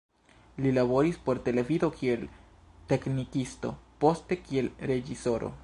Li laboris por televido kiel teknikisto, poste kiel reĝisoro.